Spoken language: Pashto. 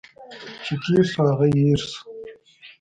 چي تیر شو، هغه هٻر شو.